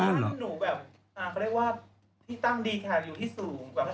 อาจจะเรียกว่าที่ตั้งดีค่ะอยู่ที่สูง